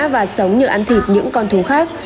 và sống như ăn thịt những con thú khác